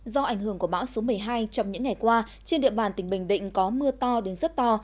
do ảnh hưởng của bão số một mươi hai trong những ngày qua trên địa bàn tỉnh bình định có mưa to đến rất to